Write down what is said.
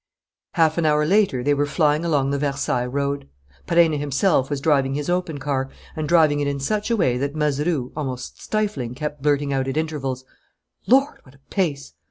Half an hour later they were flying along the Versailles Road. Perenna himself was driving his open car and driving it in such a way that Mazeroux, almost stifling, kept blurting out, at intervals: "Lord, what a pace!